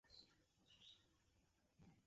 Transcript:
আমি আমার যোগ্যতানুযায়ী উপযুক্ত একটি চাকরি চাই।